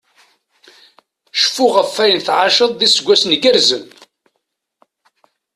Cfu ɣef ayen tεaceḍ d iseggasen igerrzen!